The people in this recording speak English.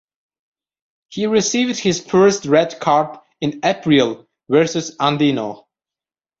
He received his first red card in April versus Andino.